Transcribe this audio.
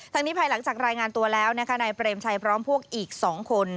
นี้ภายหลังจากรายงานตัวแล้วนะคะนายเปรมชัยพร้อมพวกอีก๒คน